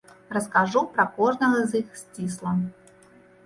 Раскажу пра кожнага з іх сцісла.